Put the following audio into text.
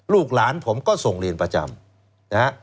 ลูกหลานผมก็ส่งเรียนประจำนะฮะ